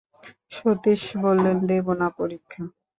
সতীশ বললেন, দেব না পরীক্ষা।